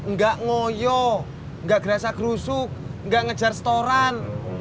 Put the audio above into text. nggak ngoyo nggak gerasa gerusuk nggak ngejar setoran